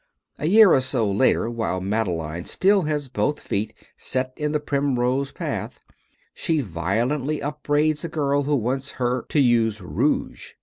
A year or so later, while Madeleine still has both feet set in the primrose path, she violently upbraids a girl who wants her to use rouge.